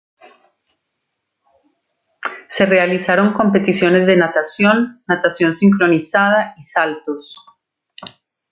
Se realizaron competiciones de natación, natación sincronizada y saltos.